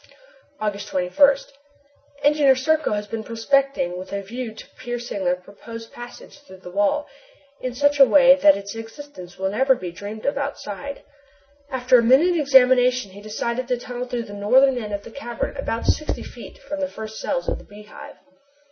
August 21. Engineer Serko has been prospecting with a view to piercing the proposed passage through the wall, in such a way that its existence will never be dreamed of outside. After a minute examination he decided to tunnel through the northern end of the cavern about sixty feet from the first cells of the Beehive.